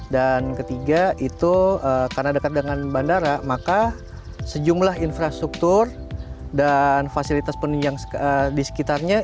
dan ketiga itu karena dekat dengan bandara maka sejumlah infrastruktur dan fasilitas penunjang di sekitarnya